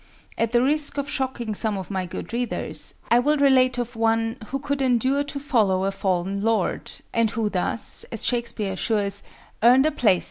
At the risk of shocking some of my good readers, I will relate of one "who could endure to follow a fall'n lord" and who thus, as Shakespeare assures, "earned a place i' the story."